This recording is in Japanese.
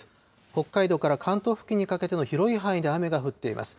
北海道から関東付近にかけての広い範囲で雨が降っています。